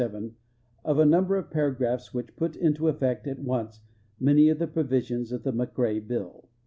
7, of a nntnher of paragraphs which put into etl'ect at once many of the provisions of the McRae hill.